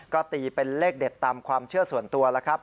ก็ตีเป็นเลขเด็ดตามความเชื่อส่วนตัวแล้วครับ